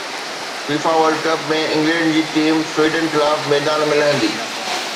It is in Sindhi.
فيفا ورلڊ ڪپ ۾ انگلينڊ جي ٽيم سويڊن خلاف ميدان ۾ لهندي